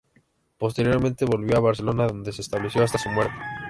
Posteriormente volvió a Barcelona, donde se estableció hasta su muerte.